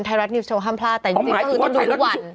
ไทยรัฐนิวสโชว์ห้ามพลาดแต่จริงก็คือต้องดูทุกวัน